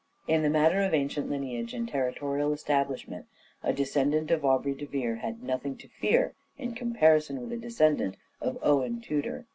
In the matter of ancient lineage and territorial establishment a descendant of Aubrey de Vere had nothing to fear in comparison 464 "SHAKESPEARE" IDENTIFIED with a descendant of Owen Tudor.